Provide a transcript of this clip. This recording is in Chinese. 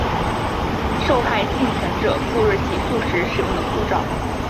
受害幸存者赴日起诉时使用的护照